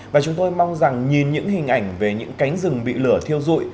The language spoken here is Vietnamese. và chúng tôi mong rằng nhìn những hình ảnh về những cánh rừng bị lửa thiêu dụi